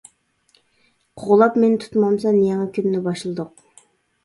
قوغلاپ مېنى تۇتمامسەن، يېڭى كۈننى باشلىدۇق.